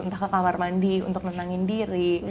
entah ke kamar mandi untuk nenangin diri